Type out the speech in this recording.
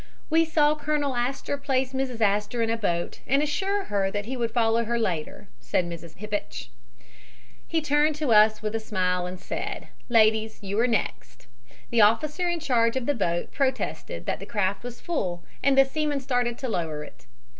"We saw Colonel Astor place Mrs. Astor in a boat and assure her that he would follow later," said Mrs. Hippach. "He turned to us with a smile and said, 'Ladies, you are next.' The officer in charge of the boat protested that the craft was full, and the seamen started to lower it.